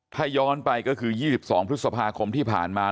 ถ้าย้อนไปก็คือ๒๒พฤษภาคมที่ผ่านมา